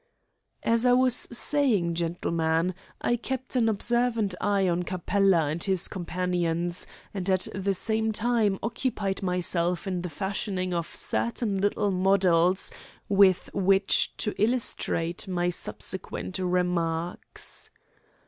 "As I was saying, gentlemen, I kept an observant eye on Capella and his companions, and at the same time occupied myself in the fashioning of certain little models with which to illustrate my subsequent remarks."